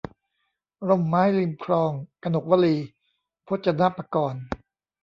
ร่มไม้ริมคลอง - กนกวลี พจนปกรณ์